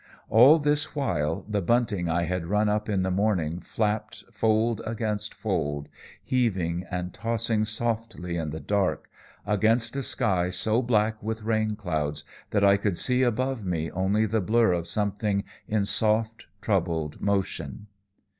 "All the while, the bunting I had run up in the morning flapped fold against fold, heaving and tossing softly in the dark against a sky so black with rain clouds that I could see above me only the blur of something in soft, troubled motion.